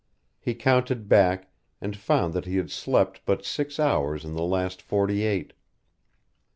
He counted back and found that he had slept but six hours in the last forty eight.